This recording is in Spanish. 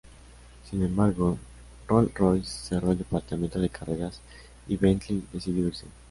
Sin embargo, Rolls-Royce cerró el departamento de carreras, y Bentley decidió irse.